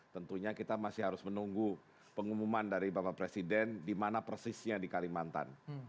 tentunya kita masih harus menunggu pengumuman dari bapak presiden di mana persisnya di kalimantan